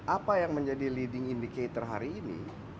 apa yang menjadi leading indicator hari ini